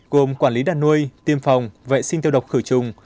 gồm quản lý đàn nuôi tiêm phòng vệ sinh tiêu độc khử trùng